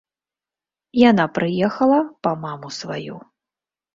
Яна прыехала па маму сваю.